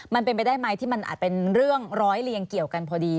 มันเป็นไปได้ไหมที่มันอาจเป็นเรื่องร้อยเรียงเกี่ยวกันพอดี